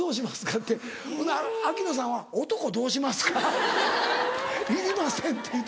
ってほんなら秋野さんは「『男どうしますか』？いりません！」って言うて。